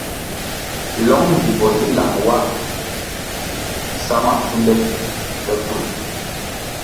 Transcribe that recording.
Lõng mbvimbo zi lang wa nsa ma pfuó nte bvul.